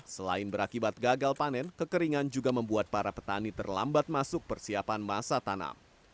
selain berakibat gagal panen kekeringan juga membuat para petani terlambat masuk persiapan masa tanam